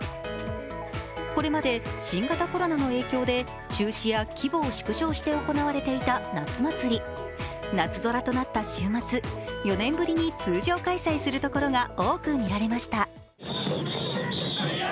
これまで新型コロナの影響で中止や規模を縮小して行われたいた夏祭り、夏空となった週末、４年ぶりに通常開催するところが多くみられました。